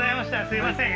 すいません